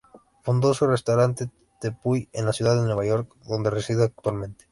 Fundó su restaurante "Tepuy" en la ciudad de Nueva York, donde reside actualmente.